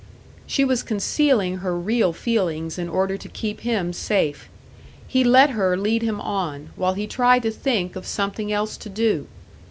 She was concealing her real feelings in order to keep him safe; he let her lead him on, while he tried to think of something else to do.